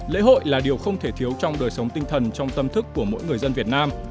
lễ hội là điều không thể thiếu trong đời sống tinh thần trong tâm thức của mỗi người dân việt nam